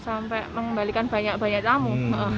sampai mengembalikan banyak banyak tamu